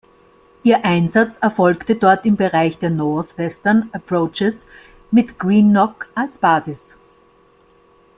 Ihr Einsatz erfolgte dort im Bereich der „North Western Approaches“ mit Greenock als Basis.